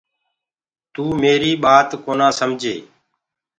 تو ميريٚ ٻآت ڪونآ سمجي۔